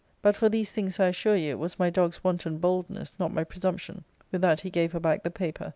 But for these things, I assure you, it was my dog's wanton boldness, not my presumption." With that he gave her back the paper.